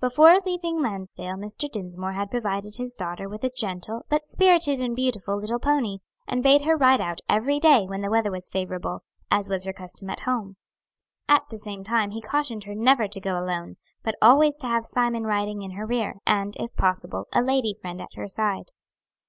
Before leaving Lansdale Mr. Dinsmore had provided his daughter with a gentle, but spirited and beautiful little pony, and bade her ride out every day when the weather was favorable, as was her custom at home. At the same time he cautioned her never to go alone; but always to have Simon riding in her rear, and, if possible, a lady friend at her side.